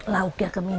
lauknya ke mina